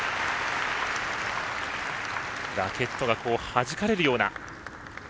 ラケットがはじかれるような。